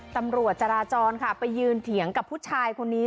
ตำรวจจราจรค่ะไปยืนเถียงกับผู้ชายคนนี้